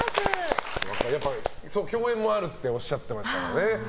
共演もあるっておっしゃってましたね。